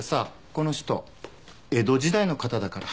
この人江戸時代の方だから。